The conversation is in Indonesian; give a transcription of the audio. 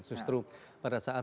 justru pada saat sudah mulai